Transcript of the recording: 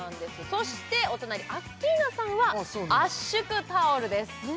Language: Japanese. そしてお隣アッキーナさんは圧縮タオルです